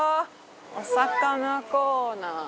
お魚コーナー。